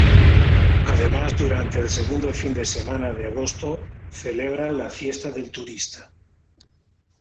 Además, durante el segundo fin de semana de agosto celebran la "fiesta del turista".